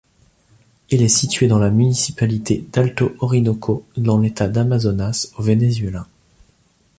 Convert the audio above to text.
Il est situé dans la municipalité d'Alto Orinoco dans l'État d'Amazonas au Venezuela.